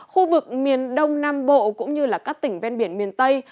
khu vực miền đông nam bộ cũng như các tỉnh ven biển miền tây